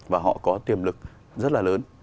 và họ có tiềm lực rất là lớn